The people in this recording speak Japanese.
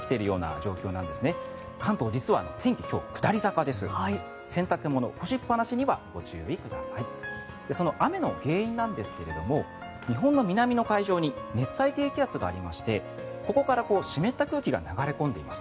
その雨の原因なんですが日本の南の海上に熱帯低気圧がありましてここから湿った空気が流れ込んでいます。